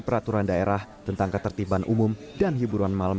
peraturan daerah tentang ketertiban umum dan hiburan malam